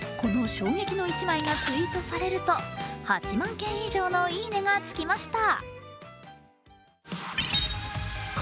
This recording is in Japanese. この衝撃の１枚がツイートされると８万件以上のいいねがつきました。